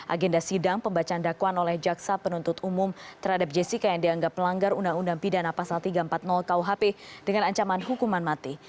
agenda sidang pembacaan dakwaan oleh jaksa penuntut umum terhadap jessica yang dianggap melanggar undang undang pidana pasal tiga ratus empat puluh kuhp dengan ancaman hukuman mati